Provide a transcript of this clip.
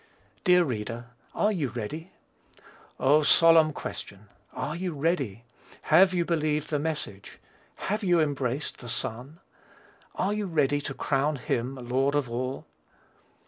Dear reader, are you ready? Oh, solemn question! Are you ready? Have you believed the message? Have you embraced the Son? Are you ready to "Crown him Lord of all?"